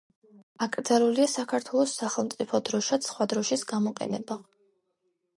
აკრძალულია საქართველოს სახელმწიფო დროშად სხვა დროშის გამოყენება.